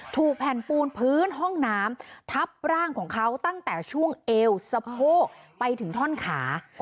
ถูกแผ่นปูนพื้นห้องน้ำทับร่างของเขาตั้งแต่ช่วงเอวสะโพกไปถึงท่อนขา